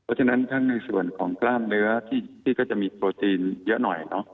เพราะฉะนั้นทั้งในส่วนของกล้ามเนื้อที่ก็จะมีโปรตีนเยอะหน่อยเนอะ